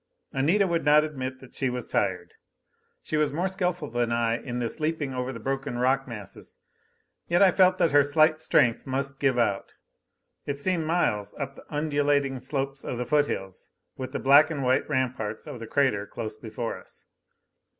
Anita would not admit that she was tired. She was more skillful than I in this leaping over the broken rock masses. Yet I felt that her slight strength must give out. It seemed miles up the undulating slopes of the foothills with the black and white ramparts of the crater close before us.